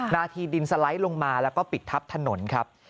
นาทีดินสไลด์ลงมาแล้วก็ปิดทับถนนครับ